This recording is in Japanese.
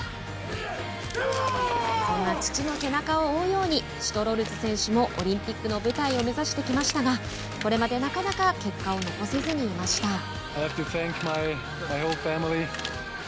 そんな父の背中を追うようにシュトロルツ選手もオリンピックの舞台を目指してきましたがこれまでなかなか結果を残せずにいました。